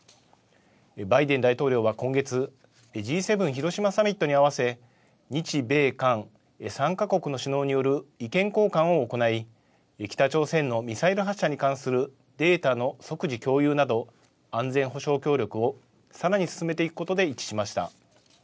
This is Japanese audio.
バイデン大統領は今月、Ｇ７広島サミットに合わせ日米韓３か国の首脳による意見交換を行い北朝鮮のミサイル発射に関するデータの即時共有など安全保障協力をさらに進めていくことで一致しました。